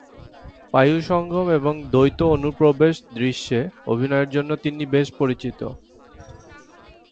পায়ুসঙ্গম এবং দ্বৈত অনুপ্রবেশ দৃশ্যে অভিনয়ের জন্য তিনি বেশি পরিচিত।